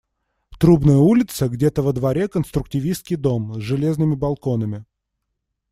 Трубная улица, где-то во дворе конструктивистский дом, с железными балконами.